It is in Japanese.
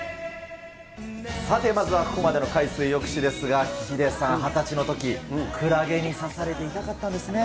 さてまずはここまでの海水浴史ですが、ヒデさん、２０歳のとき、クラゲに刺されて痛かったんですね。